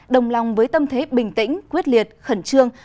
đồng lòng với tâm thế bình tĩnh quyết liệt khẩn trương